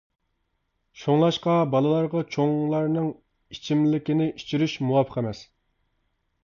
شۇڭلاشقا بالىلارغا چوڭلارنىڭ ئىچىملىكىنى ئىچۈرۈش مۇۋاپىق ئەمەس.